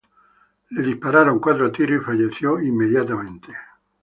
Le dispararon cuatro tiros y falleció inmediatamente.